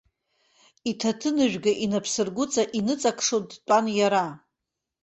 Иҭаҭыныжәга инапсыргәыҵа инаҵакшо дтәан иара.